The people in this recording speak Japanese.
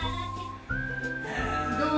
どう？